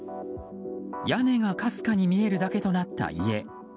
屋根がかすかに見えるだけとなった家。